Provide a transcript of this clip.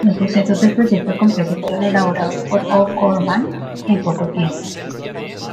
Los bocetos del proyecto completo fueron elaborados por O’Gorman en poco tiempo.